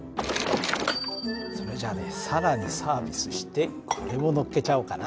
それじゃあね更にサービスしてこれものっけちゃおうかな。